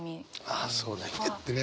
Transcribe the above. ああそうだ。グッ！ってね。